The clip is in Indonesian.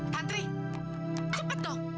pantri cepat dong